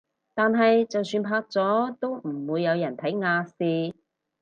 但係就算拍咗都唔會有人睇亞視